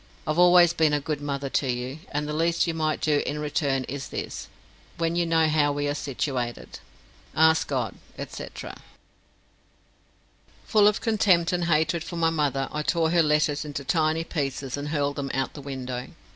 I've always been a good mother to you, and the least you might do in return is this, when you know how we are situated. Ask God &c. Full of contempt and hatred for my mother, I tore her letters into tiny pieces and hurled them out the window.